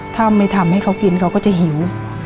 ถ้าไม่ทำให้เขากินเขาก็จะหิว